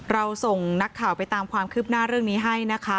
เราส่งนักข่าวไปตามความคืบหน้าเรื่องนี้ให้นะคะ